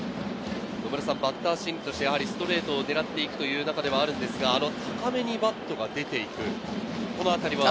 バッター心理としてストレートをねらっていくという中ではあるんですが、高めにバットが出て行く、このあたりは。